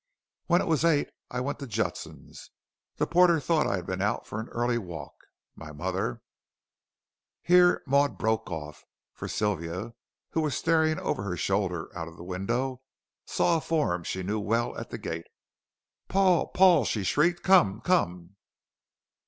When it was eight I went to Judson's. The porter thought I had been out for an early walk. My mother " Here Maud broke off, for Sylvia, who was staring over her shoulder out of the window saw a form she knew well at the gate. "Paul Paul," she shrieked, "come come!"